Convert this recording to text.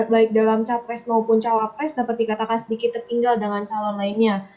baik dalam capres maupun cawapres dapat dikatakan sedikit tertinggal dengan calon lainnya